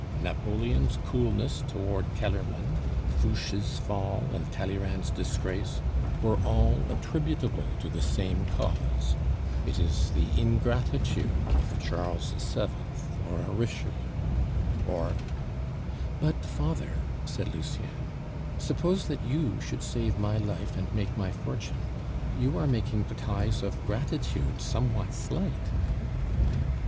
Napoleon's coolness toward Kellermann, Fouche's fall, and Talleyrand's disgrace were all attributable to the same cause; it is the ingratitude of a Charles VII., or a Richelieu, or " "But, father," said Lucien, "suppose that you should save my life and make my fortune, you are making the ties of gratitude somewhat slight."